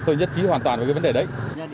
tôi nhất trí hoàn toàn về cái vấn đề đấy